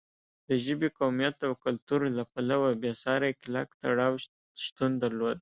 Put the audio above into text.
د ژبې، قومیت او کلتور له پلوه بېساری کلک تړاو شتون درلود.